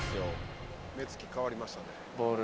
目つき変わりましたね。